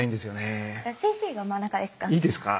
先生が真ん中ですか？